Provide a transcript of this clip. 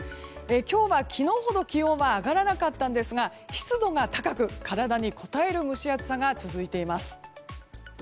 今日は昨日ほど気温は上がらなかったんですが湿度が高く体にこたえる蒸し暑さが続いています。